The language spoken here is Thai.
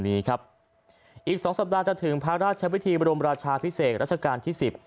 นี้ครับอีก๒สัปดาห์จะถึงพระราชวิธีบรมราชาพิเศษรัชกาลที่สิบ